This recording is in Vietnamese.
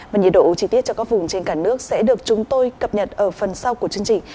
và nhiệt độ chi tiết cho các vùng trên cả nước sẽ được chúng tôi cập nhật ở phần sau của chương trình